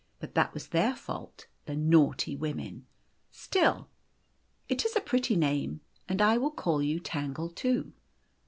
But that was their fault, the naughty women ! Still it is a pretty name, and I will call you Tangle too.